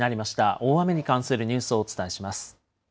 大雨に関するニュースをお伝えします。